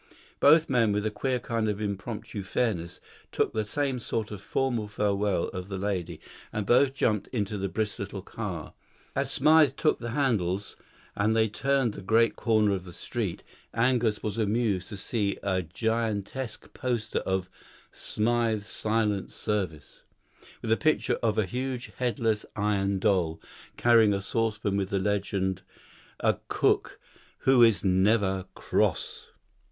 Both men, with a queer kind of impromptu fairness, took the same sort of formal farewell of the lady, and both jumped into the brisk little car. As Smythe took the handles and they turned the great corner of the street, Angus was amused to see a gigantesque poster of "Smythe's Silent Service," with a picture of a huge headless iron doll, carrying a saucepan with the legend, "A Cook Who is Never Cross."